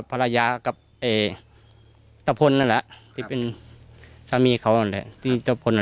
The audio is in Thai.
ภรรยากับตะพลนั่นแหละที่เป็นสามีเขานั่นแหละที่ตะพล